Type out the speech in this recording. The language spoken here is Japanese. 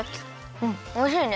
うんおいしいね。